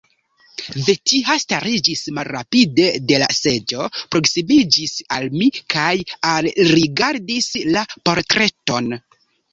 Vetiha stariĝis malrapide de la seĝo, proksimiĝis al mi kaj alrigardis la portreton.